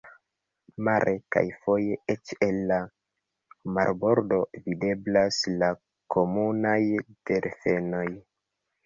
Mare kaj foje eĉ el la marbordo videblas la komunaj delfenoj.